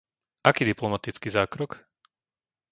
Aký diplomatický zákrok?